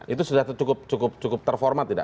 itu sudah cukup terformat tidak